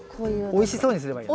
おいしそうにすればいい。